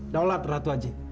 daulat ratu haji